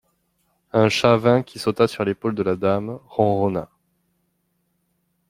Un chat vint qui sauta sur l'épaule de la dame, ronronna.